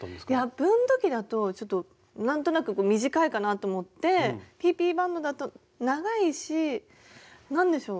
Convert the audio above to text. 分度器だとちょっと何となく短いかなと思ってＰＰバンドだと長いし何でしょう。